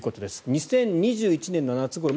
２０２１年の夏ごろ